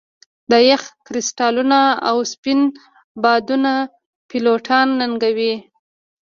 د یخ کرسټالونه او سپین بادونه پیلوټان ننګوي